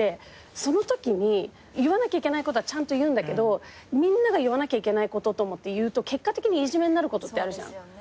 そのときに言わなきゃいけないことはちゃんと言うんだけどみんなが言わなきゃいけないことともっていうと結果的にいじめになることってあるじゃん。